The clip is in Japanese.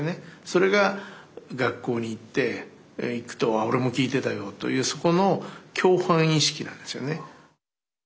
それが学校に行くと「ああオレも聴いてたよ」というそこの共犯意識なんですよね。